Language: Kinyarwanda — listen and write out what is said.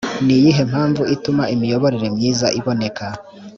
ni iyihe mpamvu ituma imiyoborere myiza iboneka